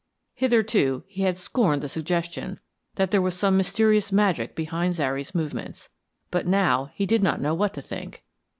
Hitherto, he had scorned the suggestion that there was some mysterious magic behind Zary's movements, but now he did not know what to think.